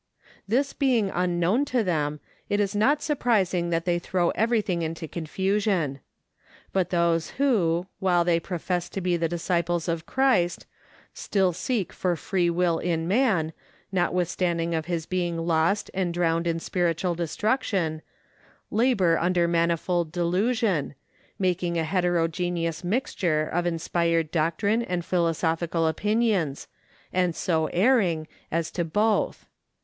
This being unknown to them, it is not surprising that they throw everything into confusion. But those who, while they profess to be the disciples of Christ, still seek for free will in man, notwithstanding of his being lost and drowned in spiritual destruction, labor under manifold delusion, making a heterogeneous mixture of inspired doctrine and philosophical opinions, and so erring as to both.